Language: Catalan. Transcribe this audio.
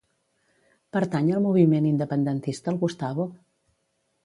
Pertany al moviment independentista el Gustavo?